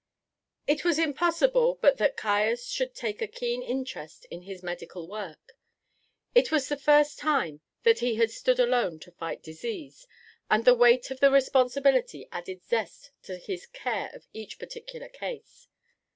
It was impossible but that Caius should take a keen interest in his medical work. It was the first time that he had stood alone to fight disease, and the weight of the responsibility added zest to his care of each particular case.